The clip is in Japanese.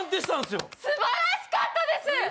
すばらしかったです！！